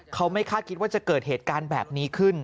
เขาไม่คาดคิดว่าจะเกิดเหตุการณ์แบบนี้ขึ้น